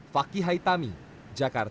fakih haitami jakarta